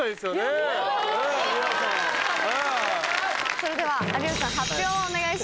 それでは有吉さん発表をお願いします。